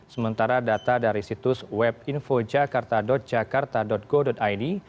sementara data dari situs web info jakarta jakarta go id